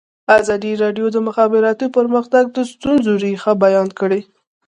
ازادي راډیو د د مخابراتو پرمختګ د ستونزو رېښه بیان کړې.